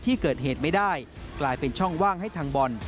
ที่เกิดเหตุไม่ได้กลายเป็นช่องว่างให้ทางบ่อน